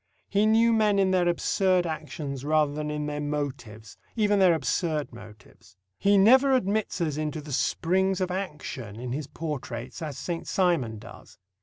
He knew men in their absurd actions rather than in their motives even their absurd motives. He never admits us into the springs of action in his portraits as Saint Simon does.